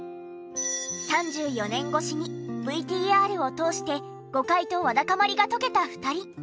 ３４年越しにＶＴＲを通して誤解とわだかまりが解けた２人。